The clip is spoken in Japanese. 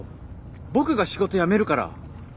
僕が仕事辞めるから。